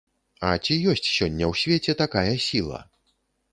А ці ёсць сёння ў свеце такая сіла?